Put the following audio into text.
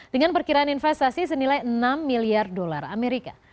dengan perkiraan investasi senilai enam miliar dolar amerika